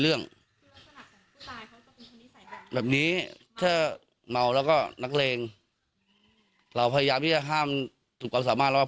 เรื่องแบบนี้ต้องก็นักเลงเราพยายามที่จะห้ามตรงการสามารถ